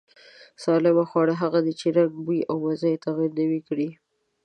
سالم خواړه هغه دي چې رنگ، بوی او مزې يې تغير نه وي کړی.